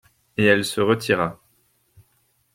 Et elle se retira.